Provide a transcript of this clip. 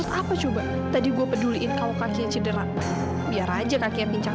sampai jumpa di video selanjutnya